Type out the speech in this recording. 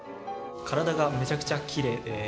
体がめちゃくちゃきれいで。